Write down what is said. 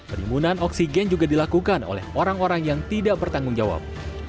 penimbunan oksigen juga dilakukan oleh orang orang yang tidak bertanggung jawab